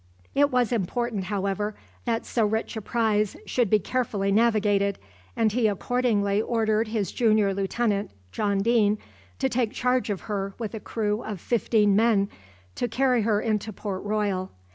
It was important, however, that so rich a prize should be carefully navigated, and he accordingly ordered his junior lieutenant John Deane to take charge of her with a crew of fifteen men, to carry her into Port Royal.